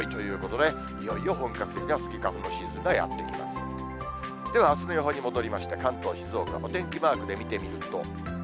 では、あすの予報に戻りまして、関東、静岡、お天気マークで見てみると。